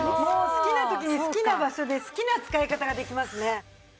好きな時に好きな場所で好きな使い方ができますね。